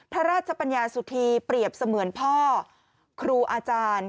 พระราชปัญญาสุธีเปรียบเสมือนพ่อครูอาจารย์